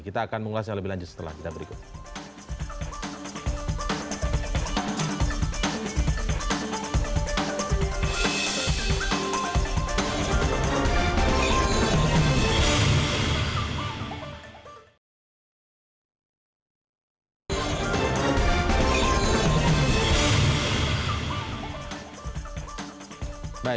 kita akan mengulasnya lebih lanjut setelah kita berikut